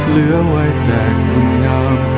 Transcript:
เหลือไว้แต่คุณงามความสุข